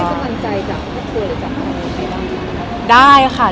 แล้วได้สมันใจจากผู้หญิงหรือจากผู้หญิงใครบ้าง